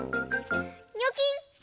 にょきん！